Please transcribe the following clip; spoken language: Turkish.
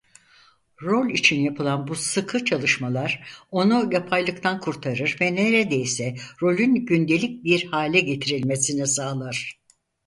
Rol için yapılan bu sıkı çalışmalar onu yapaylıktan kurtarır ve neredeyse rolün gündelik bir hale getirilmesini sağlar.